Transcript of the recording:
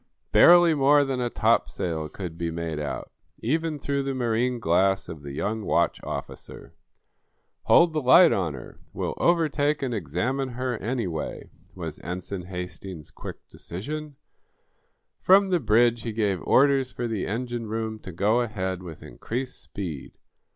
Barely more than a topsail could be made out, even through the marine glass of the young watch officer. "Hold the light on her; we'll overtake and examine her, anyway," was Ensign Hastings's quick decision. From the bridge he gave orders for the engine room to go ahead with increased speed.